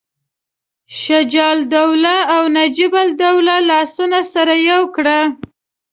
شجاع الدوله او نجیب الدوله لاسونه سره یو کړي.